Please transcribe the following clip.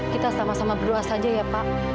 kita sama sama berdoa saja ya pak